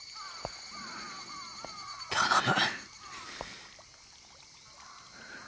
頼む。